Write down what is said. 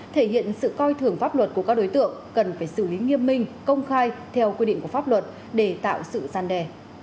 thể hiện sự coi thường pháp luật của các đối tượng cần phải xử lý nghiêm minh công khai theo quy định của pháp luật để tạo sự gian đề